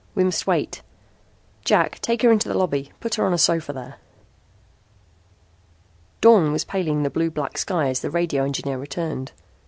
We must wait. Jack, take her into the lobby. Put her on a sofa there." Dawn was paling the blue black sky as the radio engineer returned.